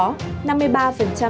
năm mươi ba trường hợp đối nước xảy ra